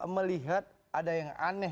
melihat ada yang aneh